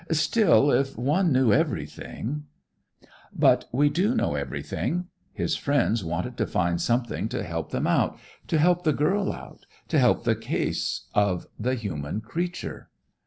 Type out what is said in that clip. Still, if one knew everything " "But we do know everything. His friends wanted to find something to help them out, to help the girl out, to help the case of the human creature."